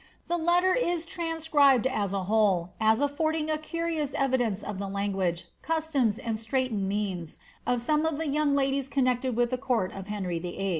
The letter is trans cribed as a whole, as affording a curious evidence of the language, cus toms, and straitened means, of some of the young ladies connected with the court of Henry VIII.